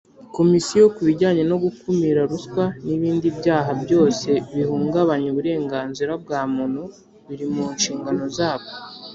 Komisiyo ku bijyanye no gukumira ruswa n ibindi byaha byose bihungabanya uburenganzira bwa muntu biri mu nshingano zabo